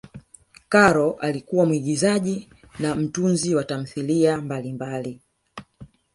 karol alikuwa muigiza na mtunzi wa tamthilia mbalimbali